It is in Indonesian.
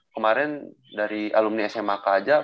kemarin dari alumni sma aja